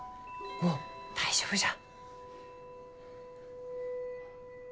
もう大丈夫じゃ。